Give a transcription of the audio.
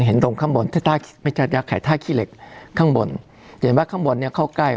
เห็นตรงข้างบนไม่ใช่ยักษ์ไข่ท่าขี้เหล็กข้างบนเห็นปะข้างบนนี้เข้าใกล้